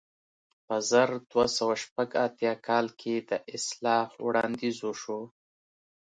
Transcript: په زر دوه سوه شپږ اتیا کال کې د اصلاح وړاندیز وشو.